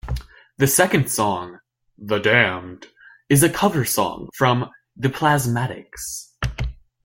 The second song "The Damned" is a cover song from The Plasmatics.